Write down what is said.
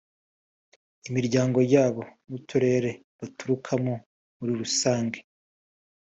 imiryango yabo n’uturere baturukamo muri rusange